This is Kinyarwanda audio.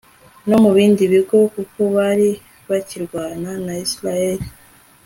no mu bindi bigo, kuko bari bakirwana na israheli